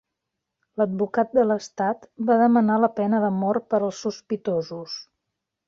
L'advocat de l'estat va demanar la pena de mort per als sospitosos.